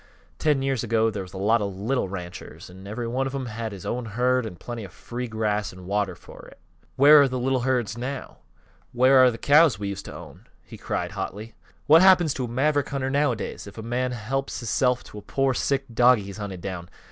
"Ten years ago there was a lot of little ranchers, an' every one of 'em had his own herd, an' plenty of free grass an' water fer it. Where are th' little herds now? Where are th' cows that we used to own?" he cried, hotly. "What happens to a maverick hunter, nowadays? If a man helps hisself to a pore, sick dogie he's hunted down!